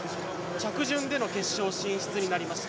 着順での決勝進出になりました。